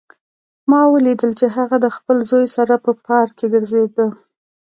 ما ولیدل چې هغه د خپل زوی سره په پارک کې ګرځېده